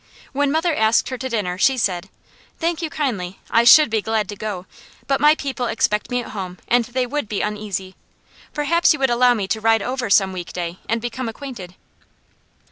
When mother asked her to dinner she said: "Thank you kindly. I should be glad to go, but my people expect me at home and they would be uneasy. Perhaps you would allow me to ride over some week day and become acquainted?"